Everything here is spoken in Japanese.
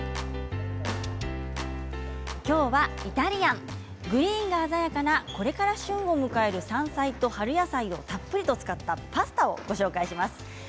きょうはイタリアングリーンが鮮やかなこれから旬を迎える山菜と春野菜をたっぷり使ったパスタをご紹介します。